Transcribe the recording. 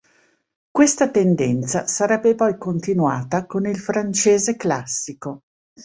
Questa tendenza sarebbe poi continuata con il francese classico.